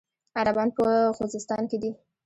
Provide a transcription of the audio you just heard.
عربان په خوزستان کې دي.